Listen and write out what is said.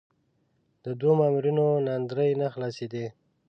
د دوو مامورینو ناندرۍ نه خلاصېدې.